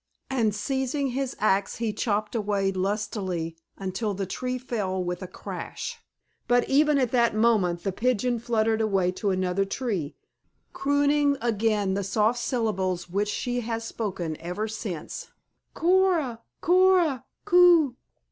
And seizing his axe he chopped away lustily until the tree fell with a crash. But even at that moment the Pigeon fluttered away to another tree, crooning again the soft syllables which she has spoken ever since, "Coo ra, coo ra, coo!"